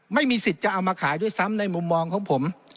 ไม่มีสิทธิ์จะเอามาขายด้วยซ้ำในมุมมองของผม